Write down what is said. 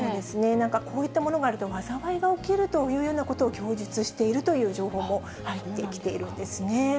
なんかこういったものがあると、災いが起きるというようなことを供述しているという情報も入ってきているんですね。